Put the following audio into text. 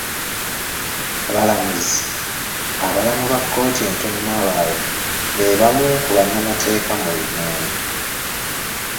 Abalamuzi, abalamu ba kkooti ento n'abalala be bamu ku bannamateeka mu Uganda.